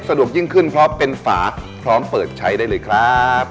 ยิ่งขึ้นเพราะเป็นฝาพร้อมเปิดใช้ได้เลยครับ